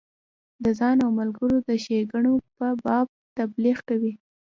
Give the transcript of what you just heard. د ځان او ملګرو د ښیګڼو په باب تبلیغ کوي.